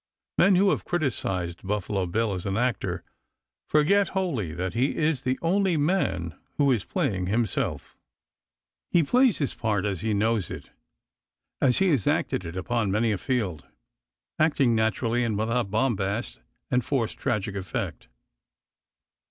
Men who have criticised Buffalo Bill as an actor forget wholly that he is the only man who is playing himself. He plays his part as he knows it, as he has acted it upon many a field, acting naturally and without bombast and forced tragic effect.